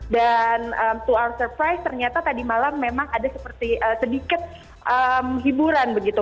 dan to our surprise ternyata tadi malam memang ada seperti sedikit hiburan begitu